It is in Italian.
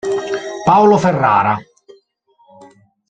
Paolo Ferrara